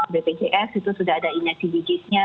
bpjs itu sudah ada inyasi digitnya